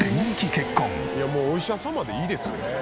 いやもう「お医者様」でいいですよ。